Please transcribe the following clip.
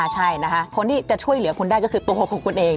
ใช่นะคะคนที่จะช่วยเหลือคุณได้ก็คือตัวของคุณเอง